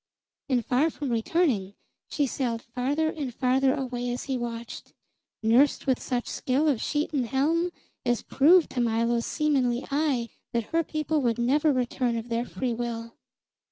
And far from returning, she sailed farther and farther away as he watched, nursed with such skill of sheet and helm as proved to Milo's seamanly eye that her people would never return of their free will.